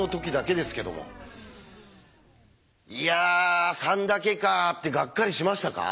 「いや３だけか」ってがっかりしましたか？